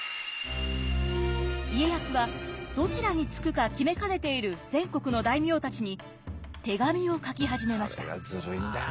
家康はどちらにつくか決めかねている全国の大名たちに手紙を書き始めました。